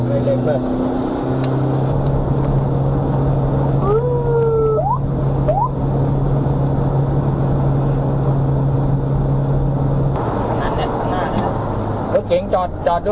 ข้างนั้นข้างหน้าแล้ว